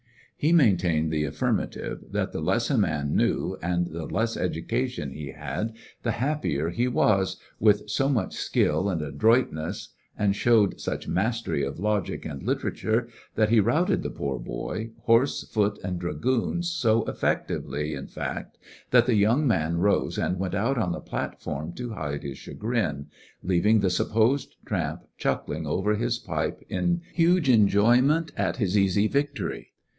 He maintained the affirmative^ that the less a man knew and the less education he had the happier he was, with so much skill and adroitness, and showed such mastery of logic and literature, that he routed the poor boy, horse, foot, and dragoons— so effectively, in fact, that the young man rose and went out on the platform to hide his chagrin, leaving the supposed tramp chuckling over his pipe in huge enjoyment at his easy victory.